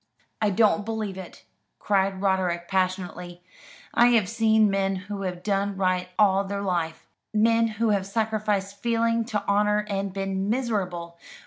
"I don't believe it," cried Roderick passionately; "I have seen men who have done right ail through life men who have sacrificed feeling to honour, and been miserable.